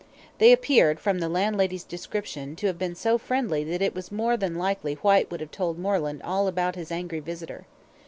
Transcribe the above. They appeared, from the landlady's description, to have been so friendly that it was more than likely Whyte would have told Moreland all about his angry visitor.